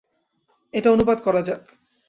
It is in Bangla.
এটা অনুবাদ করা যাক।